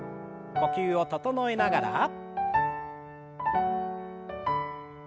呼吸を整えながら。